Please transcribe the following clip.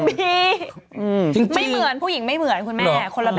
มีไม่เหมือนผู้หญิงไม่เหมือนคุณแม่คนละแบบ